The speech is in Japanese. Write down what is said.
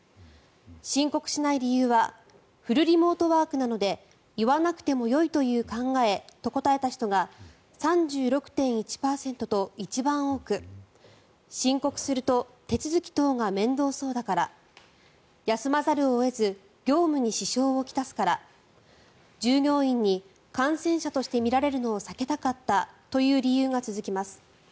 申告しない理由はフルリモートワークなので言わなくてもよいという考えと答えた人が３６．１％と一番多く申告すると手続き等が面倒そうだから休まざるを得ず業務に支障を来すから従業員に感染者として見られるのを避けたかったという理由が続きます。